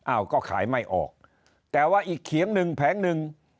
อ้าวก็ขายไม่ออกแต่ว่าอีกเขียงหนึ่งแผงหนึ่ง